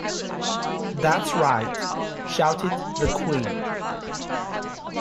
‘That’s right!’ shouted the Queen.